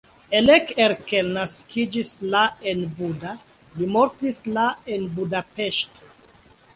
Elek Erkel naskiĝis la en Buda, li mortis la en Budapeŝto.